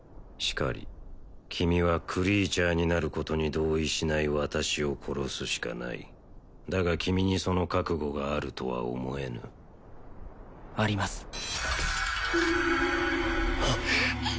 しかり君はクリーチャーになることに同意しない私を殺すしかないだが君にその覚悟があるとは思えぬあります